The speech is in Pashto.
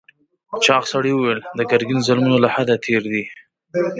چاغ سړي وویل د ګرګین ظلمونه له حده تېر دي.